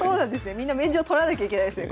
みんな免状とらなきゃいけないですね